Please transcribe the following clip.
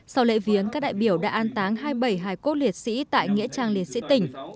sau lễ viếng các đại biểu đã an táng hai mươi bảy hải cốt liệt sĩ tại nghĩa trang liệt sĩ tỉnh